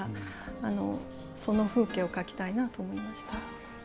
その風景を描きたいなと思いました。